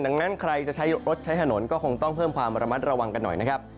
ดังนั้นใครจะใช้รถใช้ถนนก็คงต้องเพิ่มความระมัดระวังกันหน่อยนะครับ